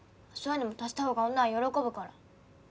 そういうのも足したほうが女は喜ぶから。